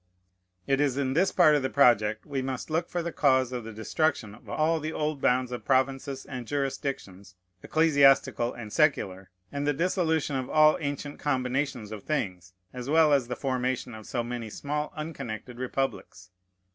It is in this part of the project we must look for the cause of the destruction of all the old bounds of provinces and jurisdictions, ecclesiastical and secular, and the dissolution of all ancient combinations of things, as well as the formation of so many small unconnected republics.